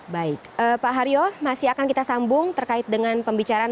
baik pak haryo masih akan kita sambung terkait dengan pembicaraan